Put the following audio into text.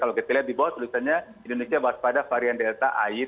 kalau kita lihat di bawah tulisannya indonesia waspada varian delta ay empat dua